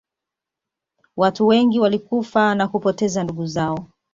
watu wengi walikufa na kupoteza ndugu zao